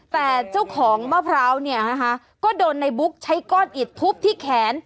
แต่เจ้าของมะพร้าวเนี่ยนะคะก็โดนในบุ๊กใช้ก้อนอิดทุบที่แขน